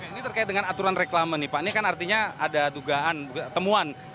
ini terkait dengan aturan reklama nih pak ini kan artinya ada dugaan temuan